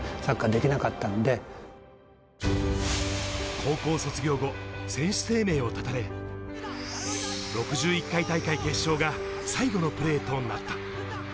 高校卒業後、選手生命を絶たれ、６１回大会決勝が最後のプレーとなった。